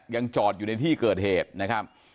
ยังจอดอยู่ในที่เกิดเหตุนะครับ